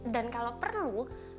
dan kalau perlu